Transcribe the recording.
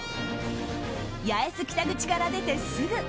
八重洲北口から出てすぐ。